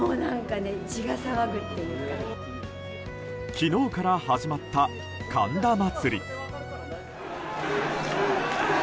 昨日から始まった神田祭。